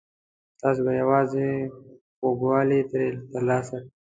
تاسو به یوازې خوږوالی ترې ترلاسه کړئ.